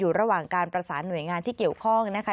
ระหว่างการประสานหน่วยงานที่เกี่ยวข้องนะคะ